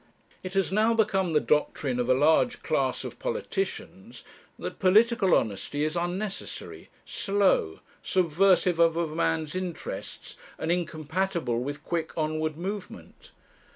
It has now become the doctrine of a large class of politicians that political honesty is unnecessary, slow, subversive of a man's interests, and incompatible with quick onward movement.